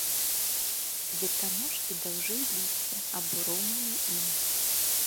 Кветаножкі даўжэй лісця або роўныя ім.